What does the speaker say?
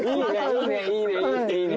いいねいいね！